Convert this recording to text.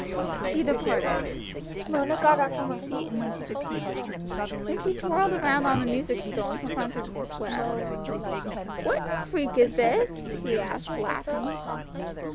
He departed. Mona got up from her seat and went to the piano. Then she twirled round on the music stool and confronted Miss Webb. "What new freak is this?" she asked, laughing.